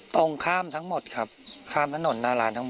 ตรงข้ามทั้งหมดครับข้ามถนนหน้าร้านทั้งหมด